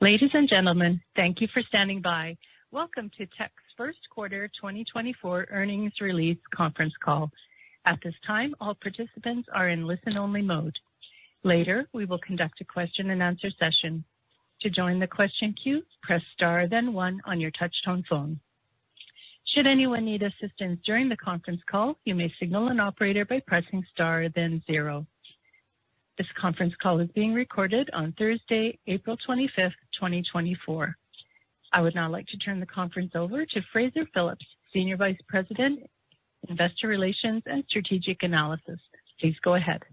Ladies and gentlemen, thank you for standing by. Welcome to Teck's First Quarter 2024 Earnings Release Conference Call. At this time, all participants are in listen-only mode. Later, we will conduct a question-and-answer session. To join the question queue, press star then one on your touchtone phone. Should anyone need assistance during the conference call, you may signal an operator by pressing star then zero. This conference call is being recorded on Thursday, April 25, 2024. I would now like to turn the conference over to Fraser Phillips, Senior Vice President, Investor Relations and Strategic Analysis. Please go ahead.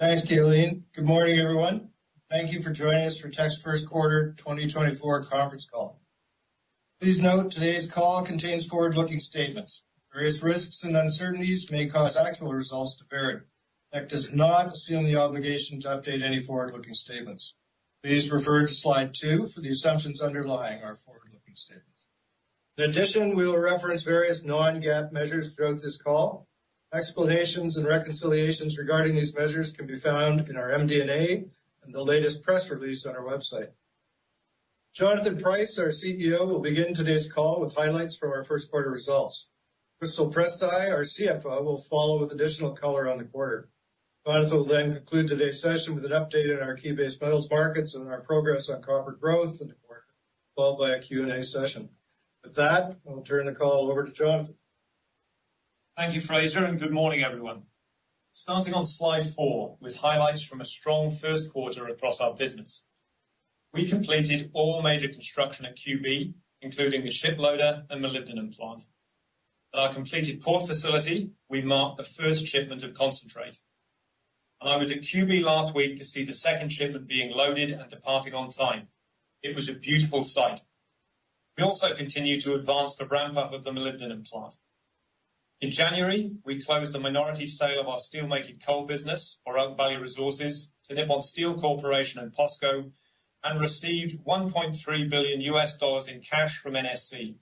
Thanks, Kieran. Good morning, everyone. Thank you for joining us for Teck's first quarter 2024 conference call. Please note today's call contains forward-looking statements. Various risks and uncertainties may cause actual results to vary. Teck does not assume the obligation to update any forward-looking statements. Please refer to slide two for the assumptions underlying our forward-looking statements. In addition, we will reference various non-GAAP measures throughout this call. Explanations and reconciliations regarding these measures can be found in our MD&A and the latest press release on our website. Jonathan Price, our CEO, will begin today's call with highlights from our first quarter results. Crystal Prystai, our CFO, will follow with additional color on the quarter. Jonathan will then conclude today's session with an update on our base metals markets and our progress on corporate growth in the quarter, followed by a Q&A session. With that, I'll turn the call over to Jonathan. Thank you, Fraser, and good morning, everyone. Starting on slide four with highlights from a strong first quarter across our business. We completed all major construction at QB, including the shiploader and molybdenum plant. At our completed port facility, we marked the first shipment of concentrate. I was at QB last week to see the second shipment being loaded and departing on time. It was a beautiful sight. We also continue to advance the ramp-up of the molybdenum plant. In January, we closed the minority sale of our steelmaking coal business, or Elk Valley Resources, to Nippon Steel Corporation and POSCO, and received $1.3 billion in cash from NSC.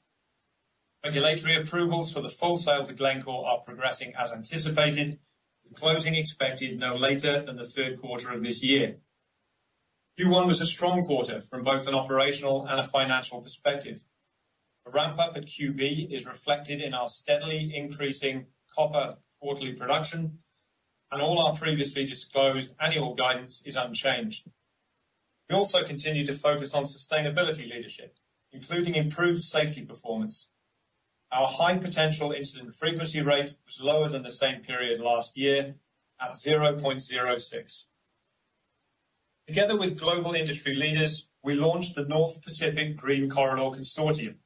Regulatory approvals for the full sale to Glencore are progressing as anticipated, with closing expected no later than the third quarter of this year. Q1 was a strong quarter from both an operational and a financial perspective. A ramp-up at QB is reflected in our steadily increasing copper quarterly production, and all our previously disclosed annual guidance is unchanged. We also continue to focus on sustainability leadership, including improved safety performance. Our High-Potential Incident Frequency rate was lower than the same period last year, at 0.06. Together with global industry leaders, we launched the North Pacific Green Corridor Consortium,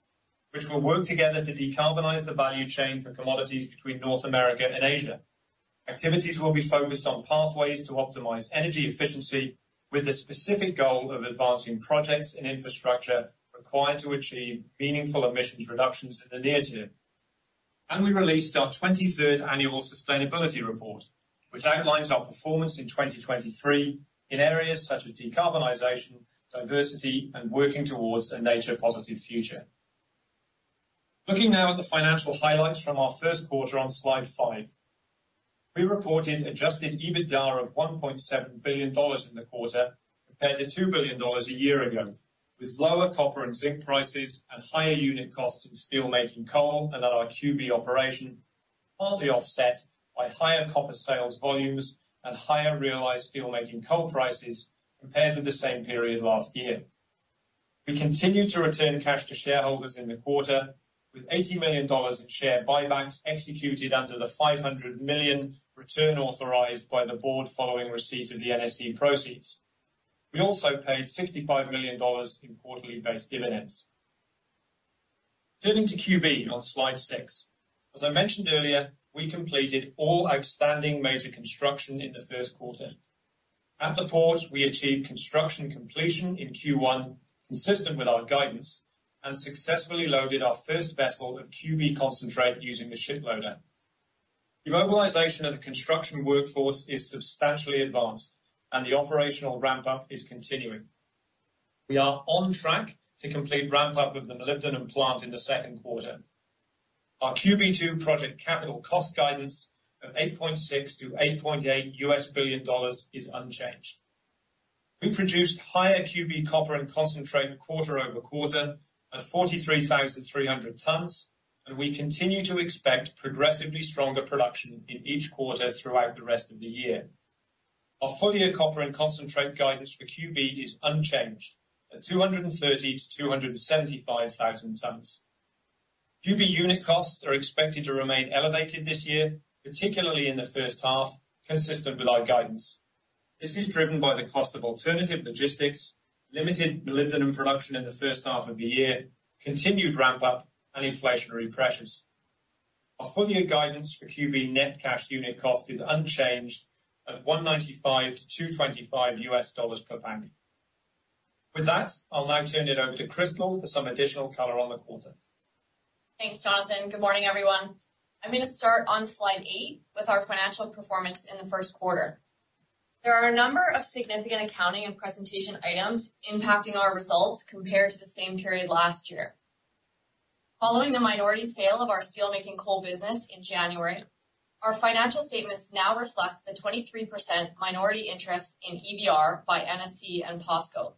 which will work together to decarbonize the value chain for commodities between North America and Asia. Activities will be focused on pathways to optimize energy efficiency with the specific goal of advancing projects and infrastructure required to achieve meaningful emissions reductions in the near term. We released our 23rd annual sustainability report, which outlines our performance in 2023 in areas such as decarbonization, diversity, and working towards a Nature Positive future. Looking now at the financial highlights from our first quarter on slide five, we reported Adjusted EBITDA of $1.7 billion in the quarter compared to $2 billion a year ago, with lower copper and zinc prices and higher unit costs in steelmaking coal and at our QB operation, partly offset by higher copper sales volumes and higher realized steelmaking coal prices compared with the same period last year. We continue to return cash to shareholders in the quarter, with $80 million in share buybacks executed under the $500 million return authorized by the board following receipt of the NSC proceeds. We also paid $65 million in quarterly base dividends. Turning to QB on slide six, as I mentioned earlier, we completed all outstanding major construction in the first quarter. At the port, we achieved construction completion in Q1 consistent with our guidance and successfully loaded our first vessel of QB concentrate using the shiploader. Demobilization of the construction workforce is substantially advanced, and the operational ramp-up is continuing. We are on track to complete ramp-up of the molybdenum plant in the second quarter. Our QB2 project capital cost guidance of $8.6-$8.8 billion is unchanged. We produced higher QB copper and concentrate quarter-over-quarter at 43,300 tons, and we continue to expect progressively stronger production in each quarter throughout the rest of the year. Our full-year copper and concentrate guidance for QB is unchanged at 230,000-275,000 tons. QB unit costs are expected to remain elevated this year, particularly in the first half, consistent with our guidance. This is driven by the cost of alternative logistics, limited molybdenum production in the first half of the year, continued ramp-up, and inflationary pressures. Our full-year guidance for QB net cash unit cost is unchanged at $1.95-$2.25 per pound. With that, I'll now turn it over to Crystal for some additional color on the quarter. Thanks, Jonathan. Good morning, everyone. I'm going to start on slide eight with our financial performance in the first quarter. There are a number of significant accounting and presentation items impacting our results compared to the same period last year. Following the minority sale of our steelmaking coal business in January, our financial statements now reflect the 23% minority interest in EVR by NSC and POSCO.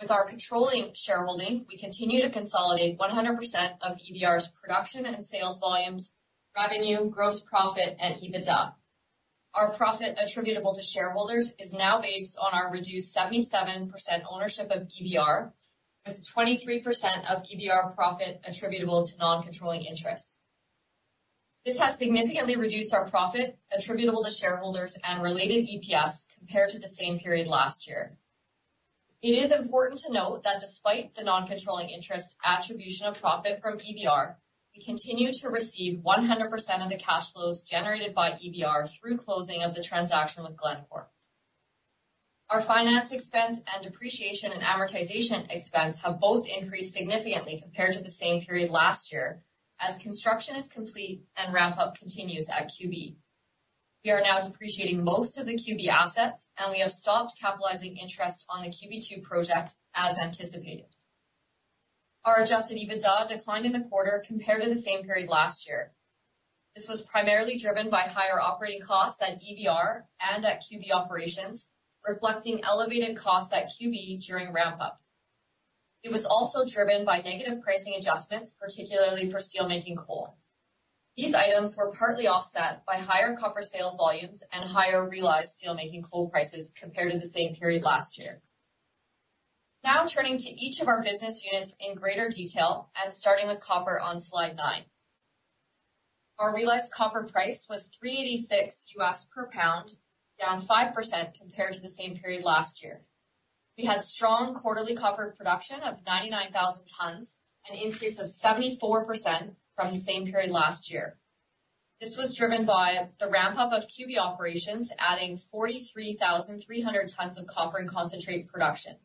With our controlling shareholding, we continue to consolidate 100% of EVR's production and sales volumes, revenue, gross profit, and EBITDA. Our profit attributable to shareholders is now based on our reduced 77% ownership of EVR, with 23% of EVR profit attributable to non-controlling interest. This has significantly reduced our profit attributable to shareholders and related EPS compared to the same period last year. It is important to note that despite the non-controlling interest attribution of profit from EVR, we continue to receive 100% of the cash flows generated by EVR through closing of the transaction with Glencore. Our finance expense and depreciation and amortization expense have both increased significantly compared to the same period last year, as construction is complete and ramp-up continues at QB. We are now depreciating most of the QB assets, and we have stopped capitalizing interest on the QB2 project as anticipated. Our Adjusted EBITDA declined in the quarter compared to the same period last year. This was primarily driven by higher operating costs at EVR and at QB operations, reflecting elevated costs at QB during ramp-up. It was also driven by negative pricing adjustments, particularly for steelmaking coal. These items were partly offset by higher copper sales volumes and higher realized steelmaking coal prices compared to the same period last year. Now turning to each of our business units in greater detail and starting with copper on slide nine. Our realized copper price was $3.86 per pound, down 5% compared to the same period last year. We had strong quarterly copper production of 99,000 tons, an increase of 74% from the same period last year. This was driven by the ramp-up of QB operations, adding 43,300 tons of copper and concentrate production,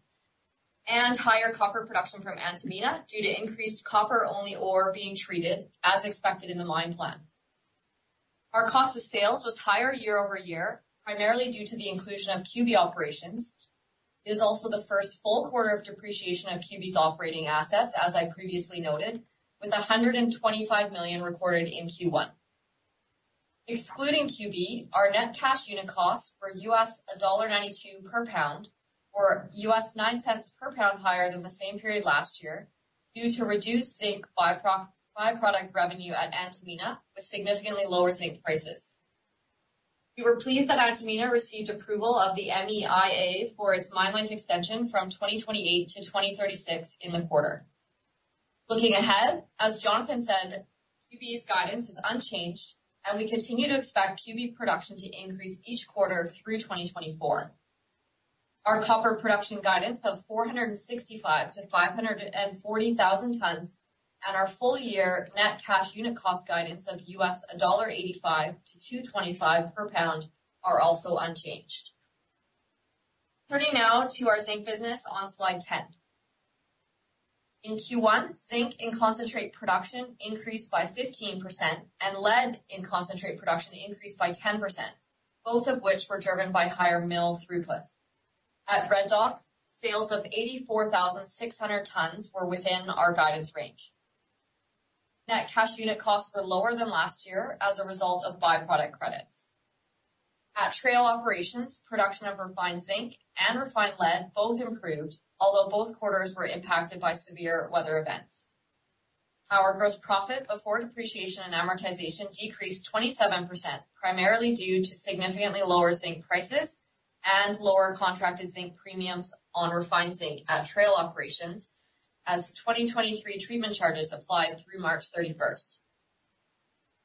and higher copper production from Antamina due to increased copper-only ore being treated, as expected in the mine plan. Our cost of sales was higher year-over-year, primarily due to the inclusion of QB operations. It is also the first full quarter of depreciation of QB's operating assets, as I previously noted, with $125 million recorded in Q1. Excluding QB, our net cash unit costs were $1.92 per pound, or $0.09 per pound higher than the same period last year due to reduced zinc byproduct revenue at Antamina with significantly lower zinc prices. We were pleased that Antamina received approval of the MEIA for its mine life extension from 2028-2036 in the quarter. Looking ahead, as Jonathan said, QB's guidance is unchanged, and we continue to expect QB production to increase each quarter through 2024. Our copper production guidance of 465,000-540,000 tons and our full-year net cash unit cost guidance of $1.85-$2.25 per pound are also unchanged. Turning now to our zinc business on slide 10. In Q1, zinc in concentrate production increased by 15% and lead in concentrate production increased by 10%, both of which were driven by higher mill throughput. At Red Dog, sales of 84,600 tons were within our guidance range. Net cash unit costs were lower than last year as a result of byproduct credits. At Trail Operations, production of refined zinc and refined lead both improved, although both quarters were impacted by severe weather events. Our gross profit before depreciation and amortization decreased 27%, primarily due to significantly lower zinc prices and lower contracted zinc premiums on refined zinc at Trail Operations, as 2023 treatment charges applied through March 31st.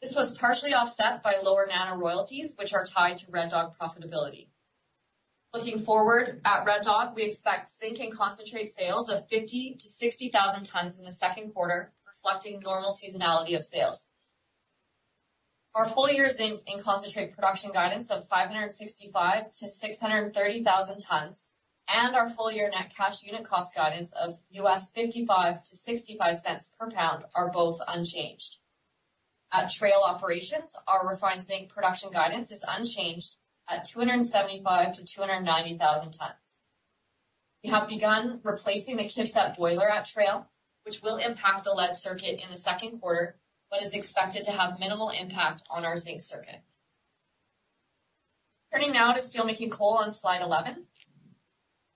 This was partially offset by lower NANA royalties, which are tied to Red Dog profitability. Looking forward, at Red Dog, we expect zinc in concentrate sales of 50,000-60,000 tons in the second quarter, reflecting normal seasonality of sales. Our full-year zinc in concentrate production guidance of 565,000-630,000 tons and our full-year net cash unit cost guidance of $0.55-$0.65 per pound are both unchanged. At Trail Operations, our refined zinc production guidance is unchanged at 275,000-290,000 tons. We have begun replacing the KIVCET boiler at Trail, which will impact the lead circuit in the second quarter but is expected to have minimal impact on our zinc circuit. Turning now to steelmaking coal on slide 11.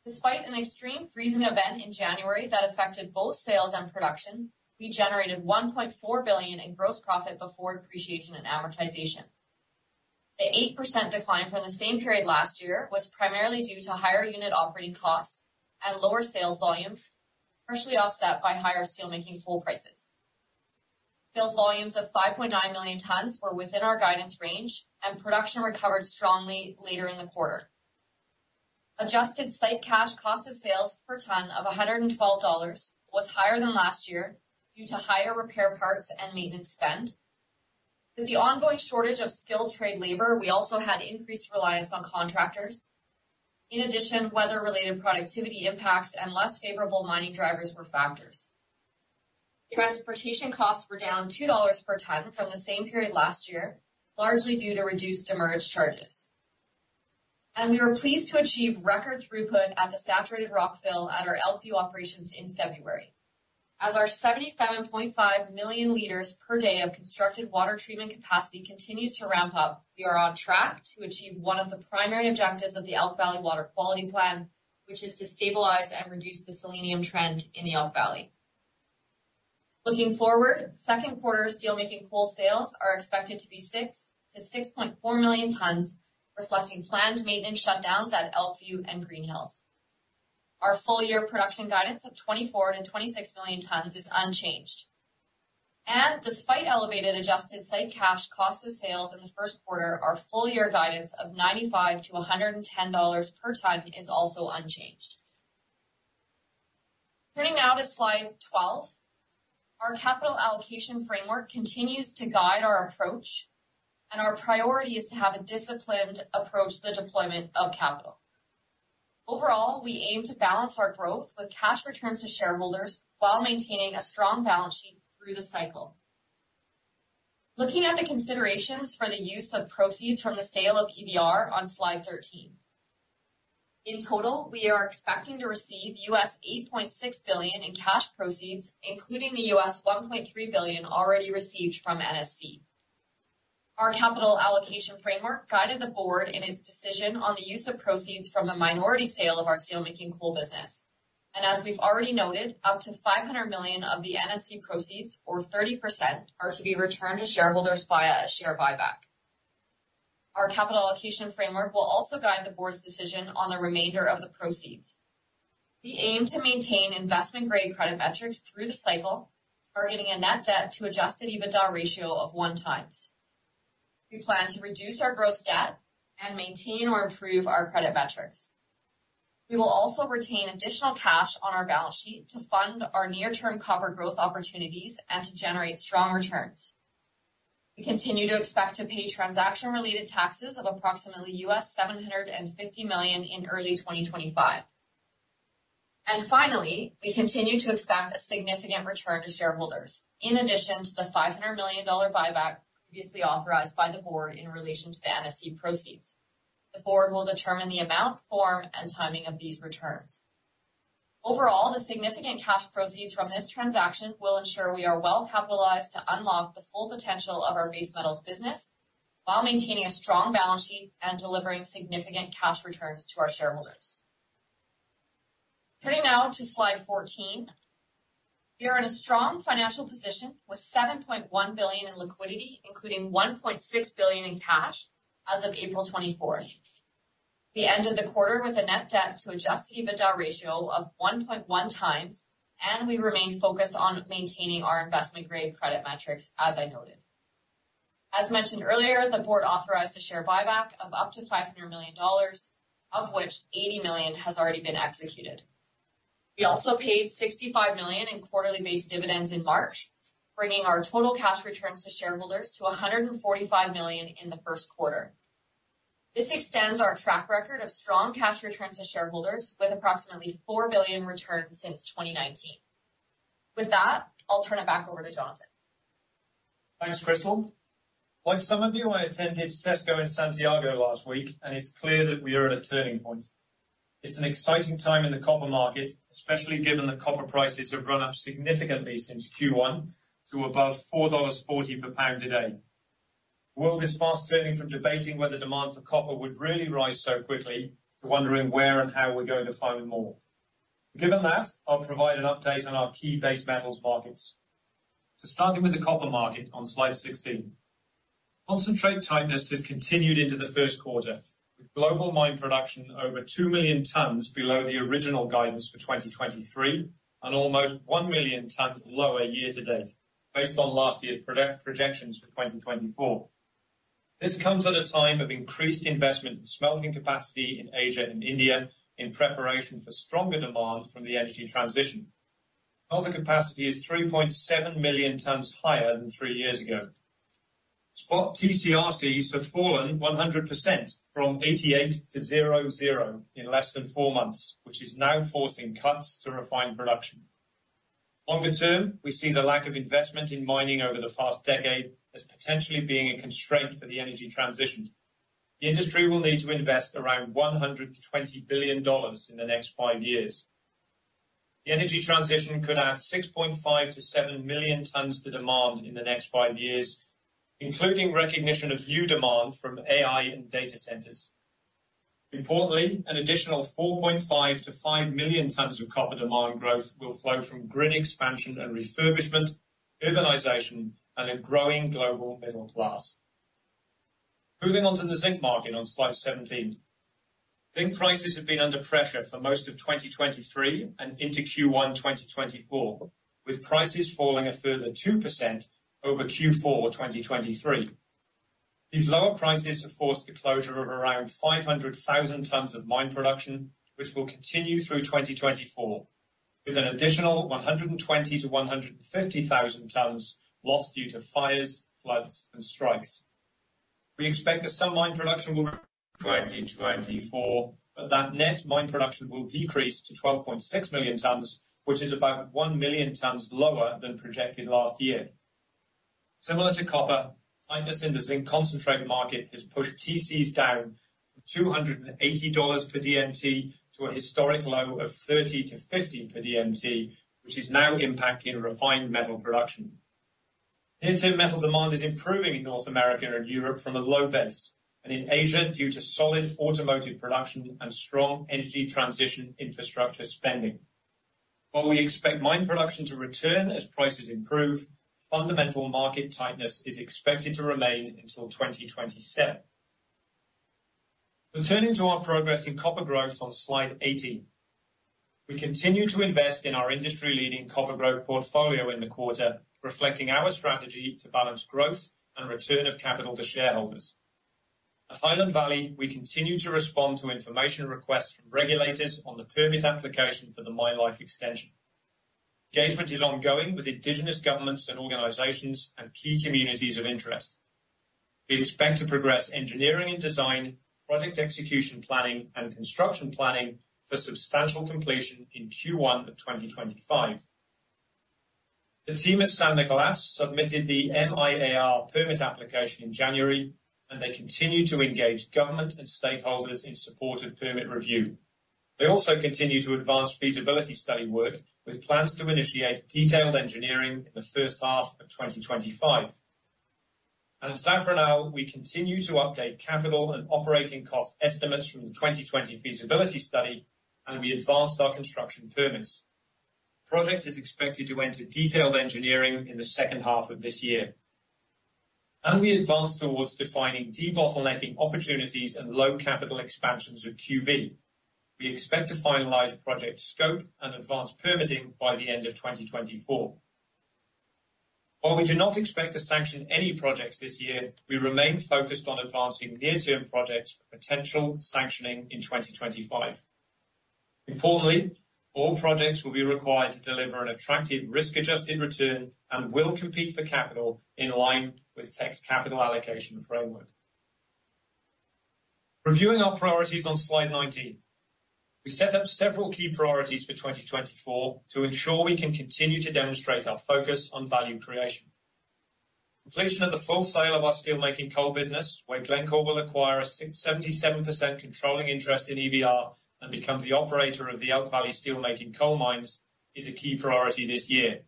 Despite an extreme freezing event in January that affected both sales and production, we generated $1.4 billion in gross profit before depreciation and amortization. The 8% decline from the same period last year was primarily due to higher unit operating costs and lower sales volumes, partially offset by higher steelmaking coal prices. Sales volumes of 5.9 million tons were within our guidance range, and production recovered strongly later in the quarter. Adjusted site cash cost of sales per ton of $112 was higher than last year due to higher repair parts and maintenance spend. With the ongoing shortage of skilled trade labor, we also had increased reliance on contractors. In addition, weather-related productivity impacts and less favorable mining drivers were factors. Transportation costs were down $2 per ton from the same period last year, largely due to reduced demurrage charges. We were pleased to achieve record throughput at the Saturated Rock Fill at our Elkview Operations in February. As our 77.5 million liters per day of constructed water treatment capacity continues to ramp up, we are on track to achieve one of the primary objectives of the Elk Valley Water Quality Plan, which is to stabilize and reduce the selenium trend in the Elk Valley. Looking forward, second quarter steelmaking coal sales are expected to be 6 million-6.4 million tons, reflecting planned maintenance shutdowns at Elkview and Greenhills. Our full-year production guidance of 24 million-26 million tons is unchanged. Despite elevated adjusted site cash cost of sales in the first quarter, our full-year guidance of $95-$110 per ton is also unchanged. Turning now to slide 12. Our capital allocation framework continues to guide our approach, and our priority is to have a disciplined approach to the deployment of capital. Overall, we aim to balance our growth with cash returns to shareholders while maintaining a strong balance sheet through the cycle. Looking at the considerations for the use of proceeds from the sale of EVR on slide 13. In total, we are expecting to receive $8.6 billion in cash proceeds, including the $1.3 billion already received from NSC. Our capital allocation framework guided the board in its decision on the use of proceeds from the minority sale of our steelmaking coal business. as we've already noted, up to $500 million of the NSC proceeds, or 30%, are to be returned to shareholders via a share buyback. Our capital allocation framework will also guide the board's decision on the remainder of the proceeds. We aim to maintain investment-grade credit metrics through the cycle, targeting a net debt to Adjusted EBITDA ratio of 1x. We plan to reduce our gross debt and maintain or improve our credit metrics. We will also retain additional cash on our balance sheet to fund our near-term copper growth opportunities and to generate strong returns. We continue to expect to pay transaction-related taxes of approximately $750 million in early 2025. And finally, we continue to expect a significant return to shareholders, in addition to the $500 million buyback previously authorized by the board in relation to the NSC proceeds. The board will determine the amount, form, and timing of these returns. Overall, the significant cash proceeds from this transaction will ensure we are well capitalized to unlock the full potential of our base metals business while maintaining a strong balance sheet and delivering significant cash returns to our shareholders. Turning now to slide 14. We are in a strong financial position with $7.1 billion in liquidity, including $1.6 billion in cash, as of April 24th, the end of the quarter, with a net debt to Adjusted EBITDA ratio of 1.1x, and we remain focused on maintaining our investment-grade credit metrics, as I noted. As mentioned earlier, the board authorized a share buyback of up to $500 million, of which $80 million has already been executed. We also paid $65 million in quarterly base dividends in March, bringing our total cash returns to shareholders to $145 million in the first quarter. This extends our track record of strong cash returns to shareholders, with approximately $4 billion returned since 2019. With that, I'll turn it back over to Jonathan. Thanks, Crystal. Like some of you, I attended CESCO in Santiago last week, and it's clear that we are at a turning point. It's an exciting time in the copper market, especially given the copper prices have run up significantly since Q1 to above $4.40 per pound today. The world is fast-turning from debating whether demand for copper would really rise so quickly to wondering where and how we're going to find more. Given that, I'll provide an update on our key base metals markets. Starting with the copper market on slide 16. Concentrate tightness has continued into the first quarter, with global mine production over 2 million tons below the original guidance for 2023 and almost 1 million tons lower year to date, based on last year's projections for 2024. This comes at a time of increased investment in smelting capacity in Asia and India in preparation for stronger demand from the energy transition. Smelter capacity is 3.7 million tons higher than three years ago. Spot TC/RCs have fallen 100% from $88 to zero in less than four months, which is now forcing cuts to refined production. Longer term, we see the lack of investment in mining over the past decade as potentially being a constraint for the energy transition. The industry will need to invest around $120 billion in the next five years. The energy transition could add 6.5 million-7 million tons to demand in the next five years, including recognition of new demand from AI and data centers. Importantly, an additional 4.5 million-5 million tons of copper demand growth will flow from grid expansion and refurbishment, urbanization, and a growing global middle class. Moving on to the zinc market on slide 17. Zinc prices have been under pressure for most of 2023 and into Q1 2024, with prices falling a further 2% over Q4 2023. These lower prices have forced the closure of around 500,000 tons of mine production, which will continue through 2024, with an additional 120,000-150,000 tons lost due to fires, floods, and strikes. We expect that some mine production will restart in 2024, but that net mine production will decrease to 12.6 million tons, which is about 1 million tons lower than projected last year. Similar to copper, tightness in the zinc concentrate market has pushed TCs down from $280 per DMT to a historic low of $30-$50 per DMT, which is now impacting refined metal production. Refined metal demand is improving in North America and Europe from a low base, and in Asia due to solid automotive production and strong energy transition infrastructure spending. While we expect mine production to return as prices improve, fundamental market tightness is expected to remain until 2027. Returning to our progress in copper growth on slide 18. We continue to invest in our industry-leading copper growth portfolio in the quarter, reflecting our strategy to balance growth and return of capital to shareholders. At Highland Valley, we continue to respond to information requests from regulators on the permit application for the mine life extension. Engagement is ongoing with indigenous governments and organizations and key communities of interest. We expect to progress engineering and design, project execution planning, and construction planning for substantial completion in Q1 of 2025. The team at San Nicolás submitted the MIA-R permit application in January, and they continue to engage government and stakeholders in support of permit review. They also continue to advance feasibility study work with plans to initiate detailed engineering in the first half of 2025. At Zafranal, we continue to update capital and operating cost estimates from the 2020 feasibility study, and we advanced our construction permits. The project is expected to enter detailed engineering in the second half of this year. We advanced towards defining debottlenecking opportunities and low-capital expansions of QB. We expect to finalize project scope and advance permitting by the end of 2024. While we do not expect to sanction any projects this year, we remain focused on advancing near-term projects for potential sanctioning in 2025. Importantly, all projects will be required to deliver an attractive risk-adjusted return and will compete for capital in line with Teck capital allocation framework. Reviewing our priorities on slide 19. We set up several key priorities for 2024 to ensure we can continue to demonstrate our focus on value creation. Completion of the full sale of our steelmaking coal business, where Glencore will acquire a 77% controlling interest in EVR and become the operator of the Elk Valley steelmaking coal mines, is a key priority this year.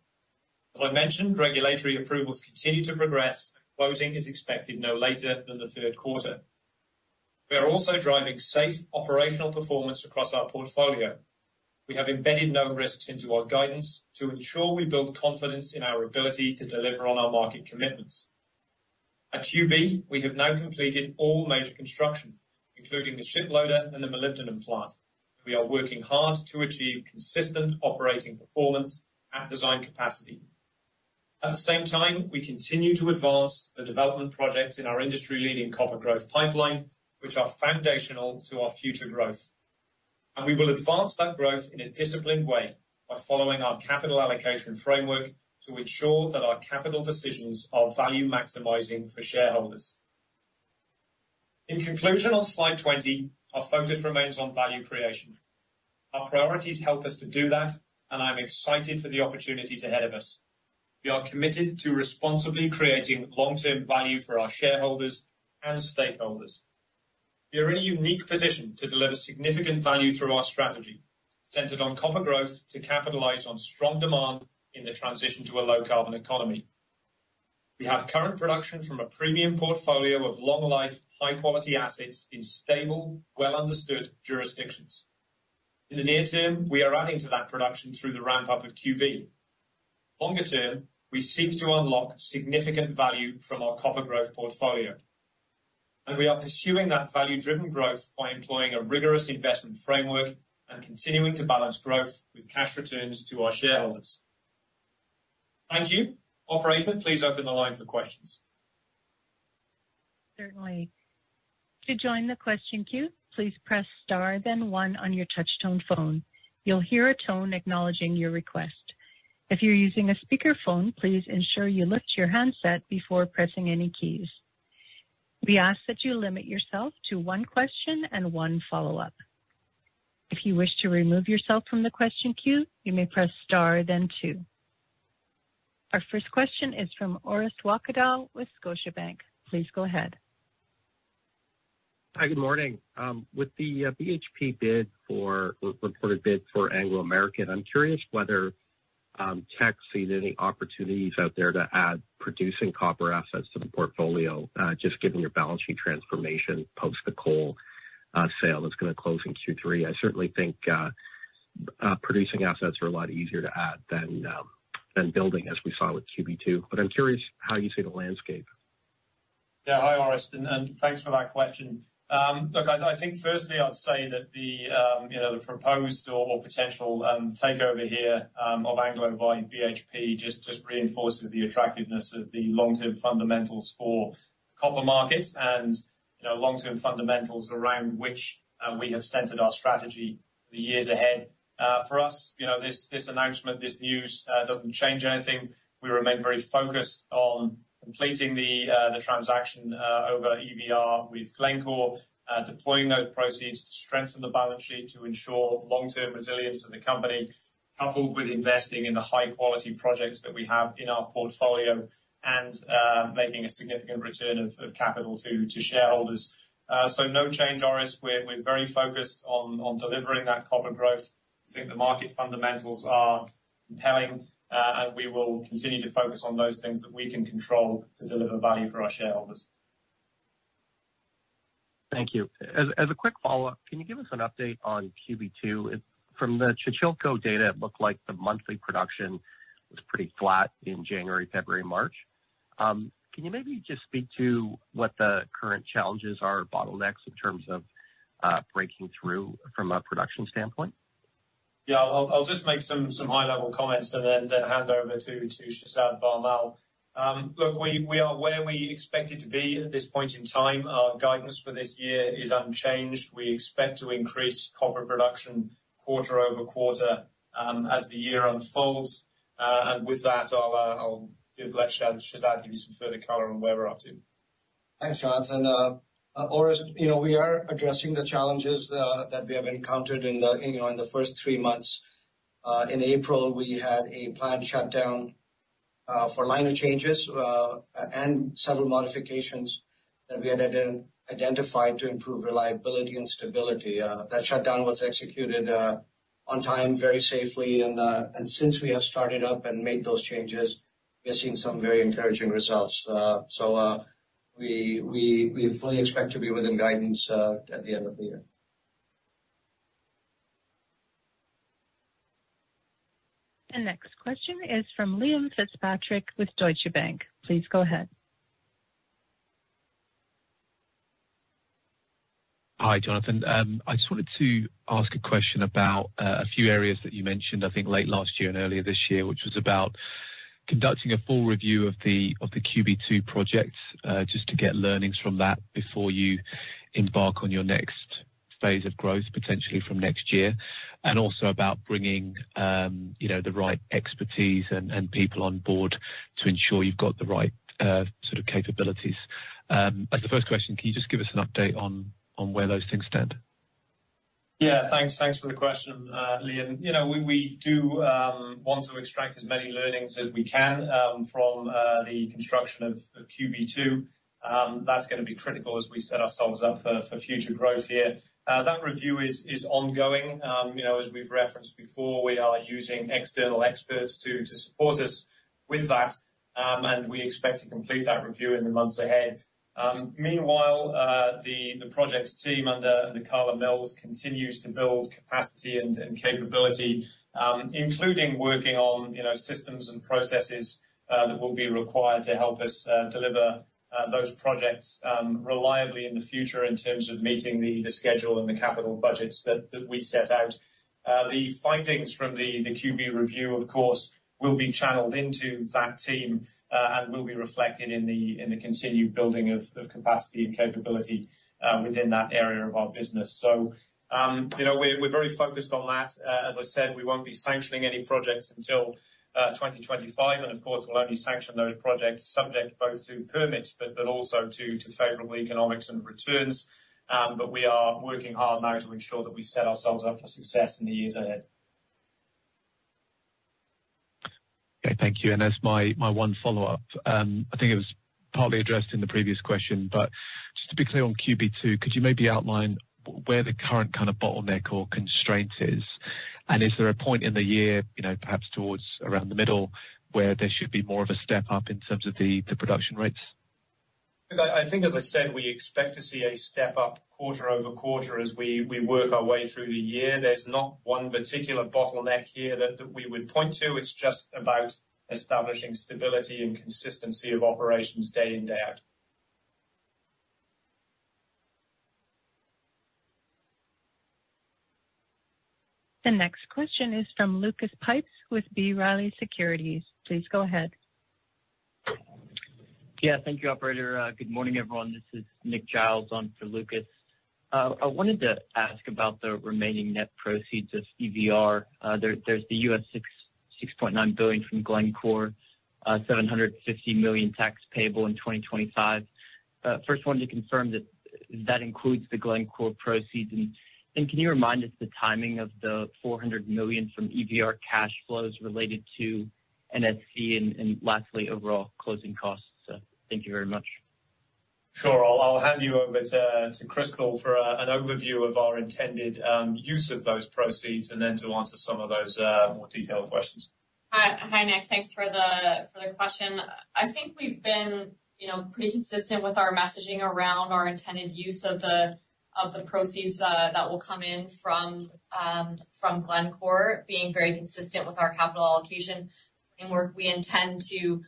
As I mentioned, regulatory approvals continue to progress, and closing is expected no later than the third quarter. We are also driving safe operational performance across our portfolio. We have embedded known risks into our guidance to ensure we build confidence in our ability to deliver on our market commitments. At QB, we have now completed all major construction, including the shiploader and the molybdenum plant, and we are working hard to achieve consistent operating performance at design capacity. At the same time, we continue to advance the development projects in our industry-leading copper growth pipeline, which are foundational to our future growth. We will advance that growth in a disciplined way by following our capital allocation framework to ensure that our capital decisions are value maximizing for shareholders. In conclusion, on slide 20, our focus remains on value creation. Our priorities help us to do that, and I'm excited for the opportunity ahead of us. We are committed to responsibly creating long-term value for our shareholders and stakeholders. We are in a unique position to deliver significant value through our strategy, centered on copper growth to capitalize on strong demand in the transition to a low-carbon economy. We have current production from a premium portfolio of long-life, high-quality assets in stable, well-understood jurisdictions. In the near term, we are adding to that production through the ramp-up of QB. Longer term, we seek to unlock significant value from our copper growth portfolio. And we are pursuing that value-driven growth by employing a rigorous investment framework and continuing to balance growth with cash returns to our shareholders. Thank you. Operator, please open the line for questions. Certainly. To join the question queue, please press star then one on your touch-tone phone. You'll hear a tone acknowledging your request. If you're using a speakerphone, please ensure you lift your handset before pressing any keys. We ask that you limit yourself to one question and one follow-up. If you wish to remove yourself from the question queue, you may press star then two. Our first question is from Orest Wowkodaw with Scotiabank. Please go ahead. Hi. Good morning. With the BHP's reported bid for Anglo American, I'm curious whether Teck sees any opportunities out there to add producing copper assets to the portfolio, just given your balance sheet transformation post the coal sale that's going to close in Q3. I certainly think producing assets are a lot easier to add than building, as we saw with QB2. But I'm curious how you see the landscape. Yeah. Hi, Orest. Thanks for that question. Look, I think firstly, I'd say that the proposed or potential takeover here of Anglo by BHP just reinforces the attractiveness of the long-term fundamentals for copper market and long-term fundamentals around which we have centered our strategy for the years ahead. For us, this announcement, this news, doesn't change anything. We remain very focused on completing the transaction over EVR with Glencore, deploying those proceeds to strengthen the balance sheet to ensure long-term resilience of the company, coupled with investing in the high-quality projects that we have in our portfolio and making a significant return of capital to shareholders. So no change, Orest. We're very focused on delivering that copper growth. I think the market fundamentals are compelling, and we will continue to focus on those things that we can control to deliver value for our shareholders. Thank you. As a quick follow-up, can you give us an update on QB2? From the Codelco data, it looked like the monthly production was pretty flat in January, February, March. Can you maybe just speak to what the current challenges are, bottlenecks, in terms of breaking through from a production standpoint? Yeah. I'll just make some high-level comments and then hand over to Shehzad Bharmal. Look, we are where we expected to be at this point in time. Our guidance for this year is unchanged. We expect to increase copper production quarter-over-quarter as the year unfolds. And with that, I'll let Shehzad give you some further color on where we're up to. Thanks, Jonathan. Orest, we are addressing the challenges that we have encountered in the first three months. In April, we had a planned shutdown for liner changes and several modifications that we had identified to improve reliability and stability. That shutdown was executed on time, very safely. Since we have started up and made those changes, we are seeing some very encouraging results. We fully expect to be within guidance at the end of the year. The next question is from Liam Fitzpatrick with Deutsche Bank. Please go ahead. Hi, Jonathan. I just wanted to ask a question about a few areas that you mentioned, I think, late last year and earlier this year, which was about conducting a full review of the QB2 project just to get learnings from that before you embark on your next phase of growth, potentially from next year, and also about bringing the right expertise and people on board to ensure you've got the right sort of capabilities. As the first question, can you just give us an update on where those things stand? Yeah. Thanks for the question, Liam. We do want to extract as many learnings as we can from the construction of QB2. That's going to be critical as we set ourselves up for future growth here. That review is ongoing. As we've referenced before, we are using external experts to support us with that, and we expect to complete that review in the months ahead. Meanwhile, the project team under Karla Mills continues to build capacity and capability, including working on systems and processes that will be required to help us deliver those projects reliably in the future in terms of meeting the schedule and the capital budgets that we set out. The findings from the QB review, of course, will be channeled into that team and will be reflected in the continued building of capacity and capability within that area of our business. We're very focused on that. As I said, we won't be sanctioning any projects until 2025. Of course, we'll only sanction those projects subject both to permits but also to favorable economics and returns. We are working hard now to ensure that we set ourselves up for success in the years ahead. Okay. Thank you. And as my one follow-up, I think it was partly addressed in the previous question. But just to be clear on QB2, could you maybe outline where the current kind of bottleneck or constraint is? And is there a point in the year, perhaps towards around the middle, where there should be more of a step up in terms of the production rates? Look, I think, as I said, we expect to see a step up quarter-over-quarter as we work our way through the year. There's not one particular bottleneck here that we would point to. It's just about establishing stability and consistency of operations day in, day out. The next question is from Lucas Pipes with B. Riley Securities. Please go ahead. Yeah. Thank you, Operator. Good morning, everyone. This is Nick Giles on for Lucas. I wanted to ask about the remaining net proceeds of EVR. There's the $6.9 billion from Glencore, $750 million tax payable in 2025. First, I wanted to confirm that that includes the Glencore proceeds. And can you remind us the timing of the $400 million from EVR cash flows related to NSC and, lastly, overall closing costs? So thank you very much. Sure. I'll hand you over to Crystal for an overview of our intended use of those proceeds and then to answer some of those more detailed questions. Hi, Nick. Thanks for the question. I think we've been pretty consistent with our messaging around our intended use of the proceeds that will come in from Glencore, being very consistent with our capital allocation framework. We intend to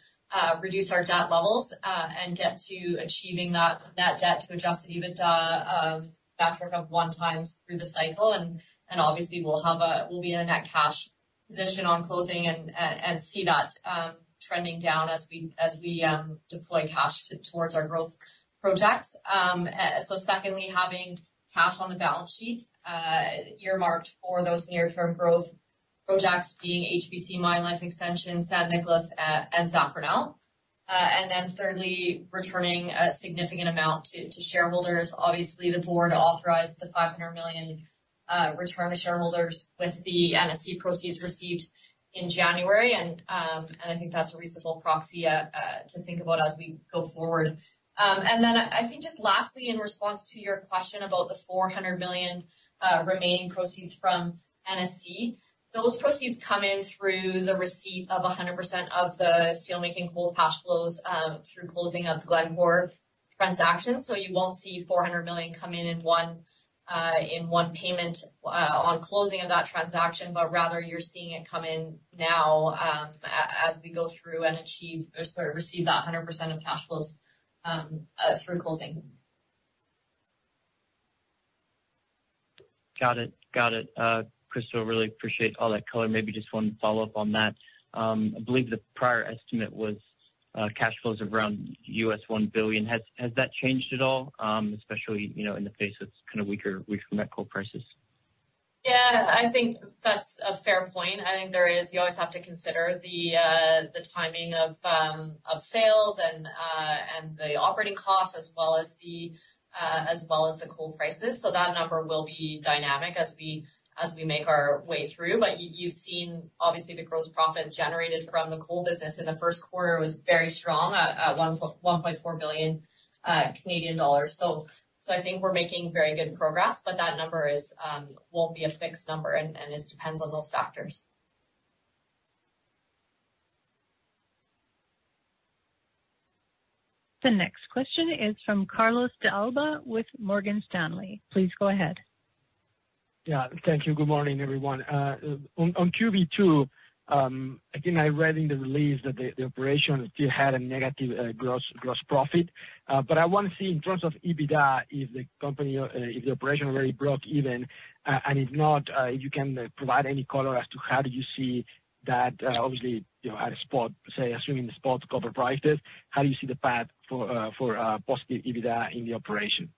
reduce our debt levels and get to achieving that debt to adjusted EBITDA metric of 1x through the cycle. Obviously, we'll be in a net cash position on closing and see that trending down as we deploy cash towards our growth projects. So secondly, having cash on the balance sheet earmarked for those near-term growth projects being HVC, Mine Life Extension, San Nicolás, and Zafranal. Then thirdly, returning a significant amount to shareholders. Obviously, the board authorized the $500 million return to shareholders with the NSC proceeds received in January. And I think that's a reasonable proxy to think about as we go forward. And then I think just lastly, in response to your question about the $400 million remaining proceeds from NSC, those proceeds come in through the receipt of 100% of the steelmaking coal cash flows through closing of the Glencore transaction. So you won't see $400 million come in in one payment on closing of that transaction, but rather you're seeing it come in now as we go through and achieve or sorry, receive that 100% of cash flows through closing. Got it. Got it. Crystal, really appreciate all that color. Maybe just one follow-up on that. I believe the prior estimate was cash flows of around $1 billion. Has that changed at all, especially in the face of kind of weaker met coal prices? Yeah. I think that's a fair point. I think there is. You always have to consider the timing of sales and the operating costs as well as the coal prices. So that number will be dynamic as we make our way through. But you've seen, obviously, the gross profit generated from the coal business in the first quarter was very strong at 1.4 billion Canadian dollars. So I think we're making very good progress, but that number won't be a fixed number, and it depends on those factors. The next question is from Carlos De Alba with Morgan Stanley. Please go ahead. Yeah. Thank you. Good morning, everyone. On QB2, again, I read in the release that the operation still had a negative gross profit. But I want to see, in terms of EBITDA, if the operation already broke even, and if not, if you can provide any color as to how do you see that, obviously, at a spot, say, assuming the spot copper prices, how do you see the path for positive EBITDA in the operation?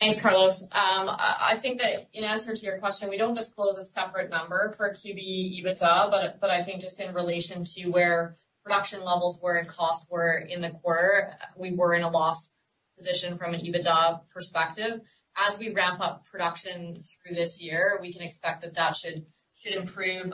Thanks, Carlos. I think that in answer to your question, we don't disclose a separate number for QB EBITDA, but I think just in relation to where production levels were and costs were in the quarter, we were in a loss position from an EBITDA perspective. As we ramp up production through this year, we can expect that that should improve.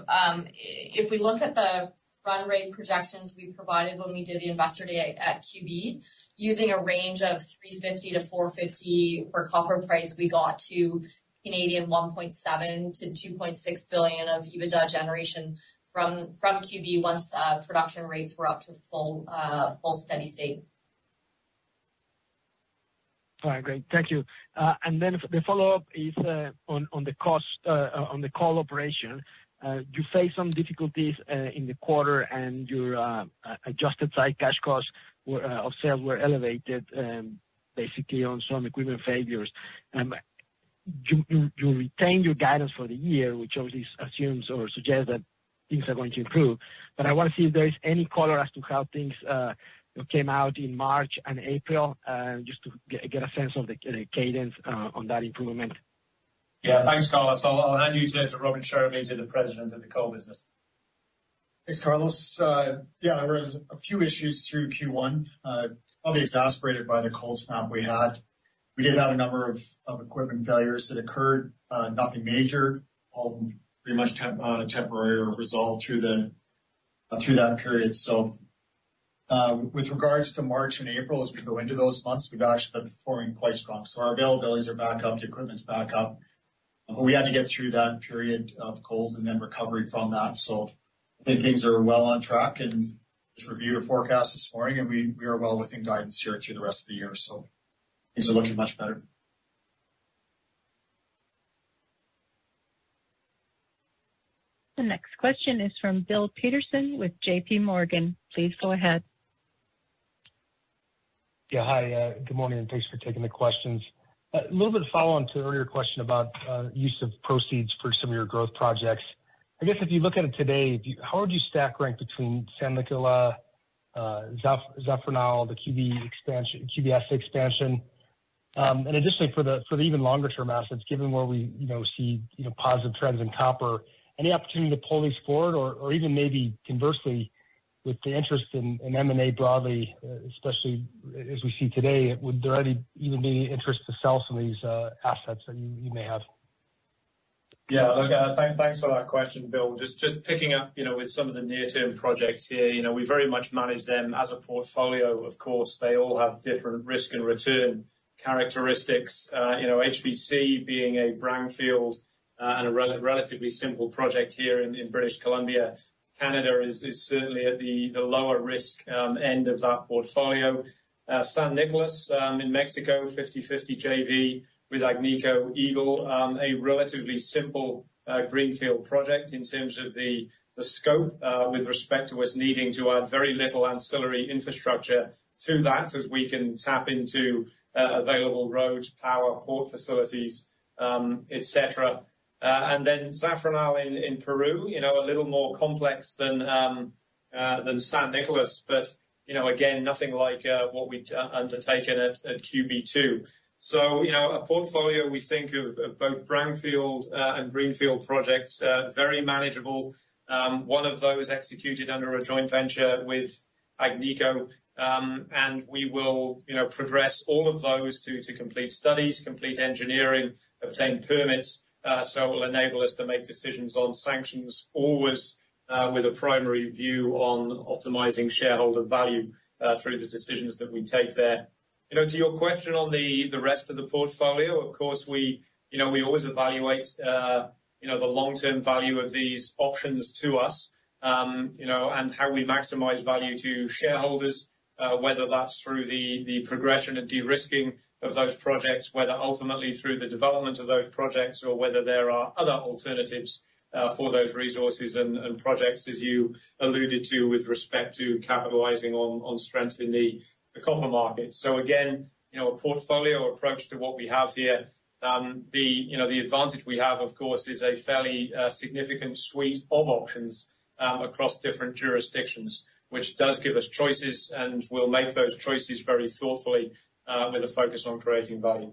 If we look at the run rate projections we provided when we did the investor day at QB, using a range of $3.50-$4.50 per copper price, we got to 1.7 billion-2.6 billion of EBITDA generation from QB once production rates were up to full steady state. All right. Great. Thank you. And then the follow-up is on the cost on the coal operation. You face some difficulties in the quarter, and your adjusted site cash costs of sales were elevated, basically, on some equipment failures. You retained your guidance for the year, which obviously assumes or suggests that things are going to improve. But I want to see if there is any color as to how things came out in March and April, just to get a sense of the cadence on that improvement. Yeah. Thanks, Carlos. I'll hand you to Robin Sheremeta, the president of the coal business. Thanks, Carlos. Yeah. There were a few issues through Q1, probably exacerbated by the cold snap we had. We did have a number of equipment failures that occurred, nothing major. All pretty much temporary or resolved through that period. So with regards to March and April, as we go into those months, we've actually been performing quite strong. So our availabilities are back up. The equipment's back up. But we had to get through that period of cold and then recovery from that. So I think things are well on track. And just reviewed a forecast this morning, and we are well within guidance here through the rest of the year. So things are looking much better. The next question is from Bill Peterson with JPMorgan. Please go ahead. Yeah. Hi. Good morning, and thanks for taking the questions. A little bit of follow-on to earlier question about use of proceeds for some of your growth projects. I guess if you look at it today, how would you stack rank between San Nicolás, Zafranal, the QB's expansion? And additionally, for the even longer-term assets, given where we see positive trends in copper, any opportunity to pull these forward? Or even maybe, conversely, with the interest in M&A broadly, especially as we see today, would there even be interest to sell some of these assets that you may have? Yeah. Look, thanks for that question, Bill. Just picking up with some of the near-term projects here, we very much manage them as a portfolio. Of course, they all have different risk and return characteristics. HVC, being a brownfield and a relatively simple project here in British Columbia, Canada, is certainly at the lower-risk end of that portfolio. San Nicolás in Mexico, 50/50 JV with Agnico Eagle, a relatively simple greenfield project in terms of the scope with respect to us needing to add very little ancillary infrastructure to that as we can tap into available roads, power, port facilities, etc. And then Zafranal in Peru, a little more complex than San Nicolás, but again, nothing like what we'd undertaken at QB2. So a portfolio, we think, of both brownfield and greenfield projects, very manageable. One of those executed under a joint venture with Agnico. And we will progress all of those to complete studies, complete engineering, obtain permits. So it will enable us to make decisions on sanctions, always with a primary view on optimizing shareholder value through the decisions that we take there. To your question on the rest of the portfolio, of course, we always evaluate the long-term value of these options to us and how we maximize value to shareholders, whether that's through the progression and de-risking of those projects, whether ultimately through the development of those projects, or whether there are other alternatives for those resources and projects, as you alluded to, with respect to capitalizing on strength in the copper market. So again, a portfolio approach to what we have here. The advantage we have, of course, is a fairly significant suite of options across different jurisdictions, which does give us choices and will make those choices very thoughtfully with a focus on creating value.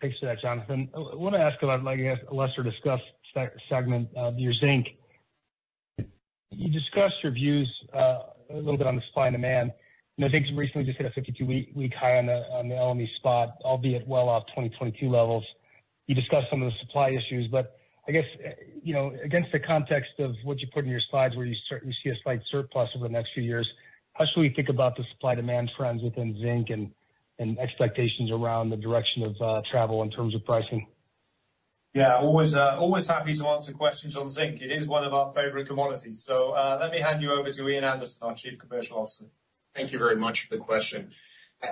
Thanks for that, Jonathan. I want to ask about, I guess, a lesser-discussed segment. Your zinc. You discussed your views a little bit on the supply and demand. I think you recently just hit a 52-week high on the LME spot, albeit well off 2022 levels. You discussed some of the supply issues. But I guess, against the context of what you put in your slides, where you see a slight surplus over the next few years, how should we think about the supply-demand trends within zinc and expectations around the direction of travel in terms of pricing? Yeah. Always happy to answer questions on zinc. It is one of our favorite commodities. So let me hand you over to Ian Anderson, our Chief Commercial Officer. Thank you very much for the question.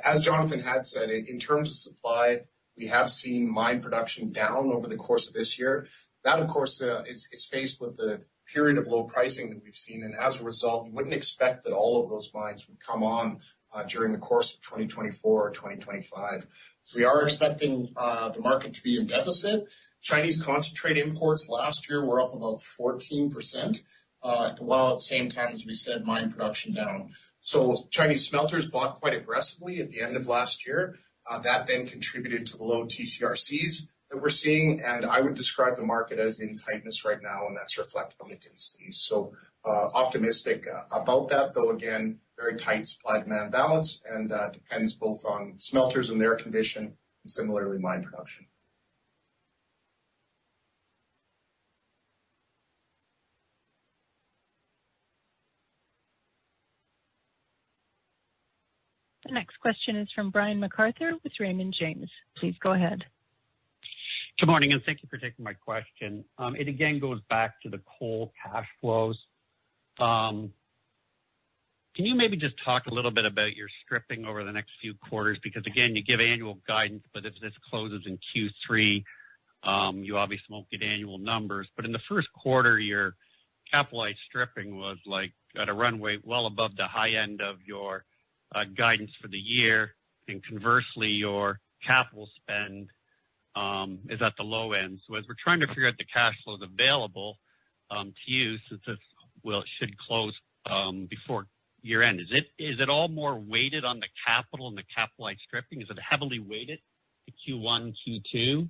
As Jonathan had said, in terms of supply, we have seen mine production down over the course of this year. That, of course, is faced with the period of low pricing that we've seen. And as a result, you wouldn't expect that all of those mines would come on during the course of 2024 or 2025. So we are expecting the market to be in deficit. Chinese concentrate imports last year were up about 14%, while at the same time, as we said, mine production down. So Chinese smelters bought quite aggressively at the end of last year. That then contributed to the low TC/RCs that we're seeing. And I would describe the market as in tightness right now, and that's reflected on the DCs. So optimistic about that, though, again, very tight supply-demand balance and depends both on smelters and their condition and similarly, mine production. The next question is from Brian MacArthur with Raymond James. Please go ahead. Good morning, and thank you for taking my question. It, again, goes back to the coal cash flows. Can you maybe just talk a little bit about your stripping over the next few quarters? Because again, you give annual guidance, but if this closes in Q3, you obviously won't get annual numbers. But in the first quarter, your capitalized stripping was at a run rate well above the high end of your guidance for the year. And conversely, your capital spend is at the low end. So as we're trying to figure out the cash flows available to you since this should close before year-end, is it all more weighted on the capital and the capitalized stripping? Is it heavily weighted to Q1, Q2,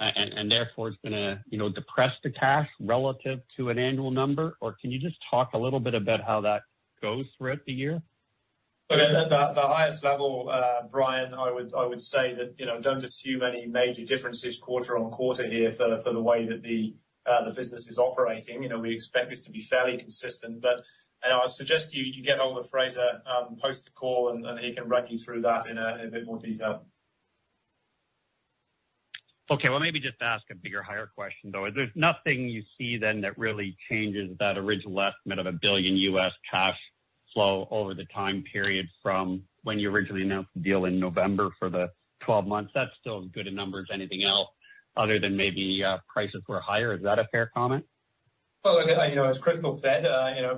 and therefore it's going to depress the cash relative to an annual number? Or can you just talk a little bit about how that goes throughout the year? Look, at the highest level, Brian, I would say that don't assume any major differences quarter on quarter here for the way that the business is operating. We expect this to be fairly consistent. I suggest you get hold of Fraser post the call, and he can run you through that in a bit more detail. Okay. Well, maybe just ask a bigger, higher question, though. If there's nothing you see then that really changes that original estimate of $1 billion cash flow over the time period from when you originally announced the deal in November for the 12 months, that still is good in numbers, anything else other than maybe prices were higher. Is that a fair comment? Well, look, as Crystal said,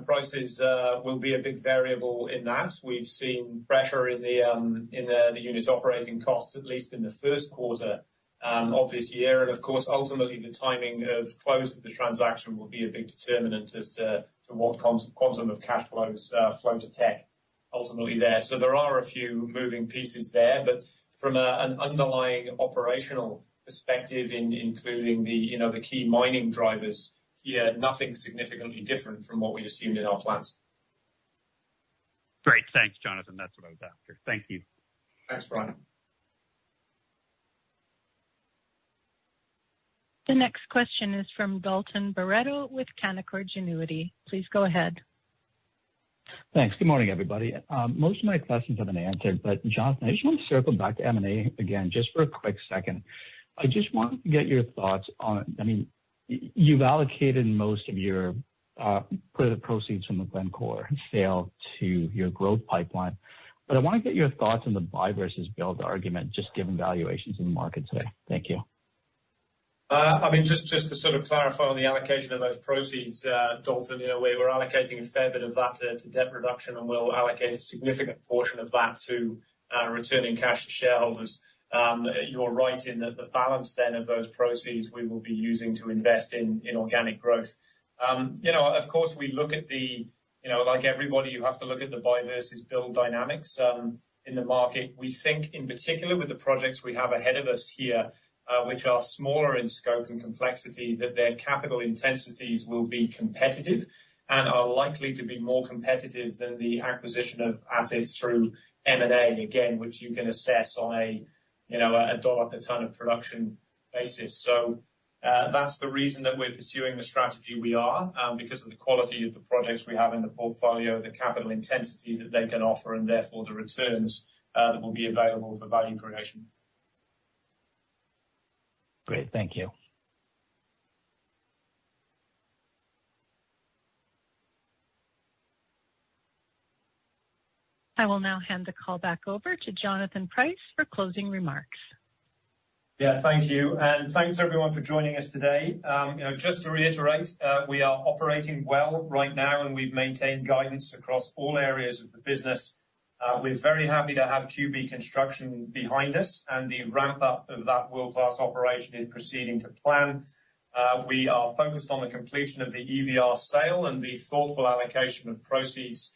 prices will be a big variable in that. We've seen pressure in the unit's operating costs, at least in the first quarter of this year. And of course, ultimately, the timing of close of the transaction will be a big determinant as to what quantum of cash flows flow to Teck ultimately there. So there are a few moving pieces there. But from an underlying operational perspective, including the key mining drivers here, nothing significantly different from what we assumed in our plans. Great. Thanks, Jonathan. That's what I was after. Thank you. Thanks, Brian. The next question is from Dalton Baretto with Canaccord Genuity. Please go ahead. Thanks. Good morning, everybody. Most of my questions have been answered, but Jonathan, I just want to circle back to M&A again just for a quick second. I just want to get your thoughts on—I mean, you've allocated most of your proceeds from the Glencore sale to your growth pipeline. But I want to get your thoughts on the buy versus build argument, just given valuations in the market today. Thank you. I mean, just to sort of clarify on the allocation of those proceeds, Dalton, we're allocating a fair bit of that to debt reduction, and we'll allocate a significant portion of that to returning cash to shareholders. You're right in that the balance then of those proceeds, we will be using to invest in organic growth. Of course, we look at it like everybody, you have to look at the buy versus build dynamics in the market. We think, in particular, with the projects we have ahead of us here, which are smaller in scope and complexity, that their capital intensities will be competitive and are likely to be more competitive than the acquisition of assets through M&A, again, which you can assess on a dollar-per-ton of production basis. That's the reason that we're pursuing the strategy we are because of the quality of the projects we have in the portfolio, the capital intensity that they can offer, and therefore the returns that will be available for value creation. Great. Thank you. I will now hand the call back over to Jonathan Price for closing remarks. Yeah. Thank you. And thanks, everyone, for joining us today. Just to reiterate, we are operating well right now, and we've maintained guidance across all areas of the business. We're very happy to have QB construction behind us and the ramp-up of that world-class operation is proceeding to plan. We are focused on the completion of the EVR sale and the thoughtful allocation of proceeds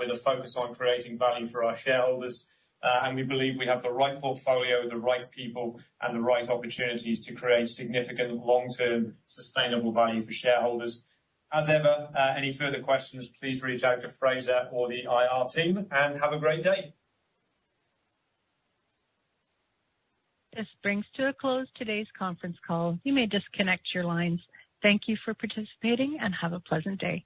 with a focus on creating value for our shareholders. And we believe we have the right portfolio, the right people, and the right opportunities to create significant, long-term, sustainable value for shareholders. As ever, any further questions, please reach out to Fraser or the IR team. And have a great day. This brings to a close today's conference call. You may disconnect your lines. Thank you for participating, and have a pleasant day.